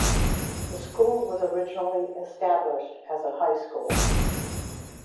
The school was originally established as a high school.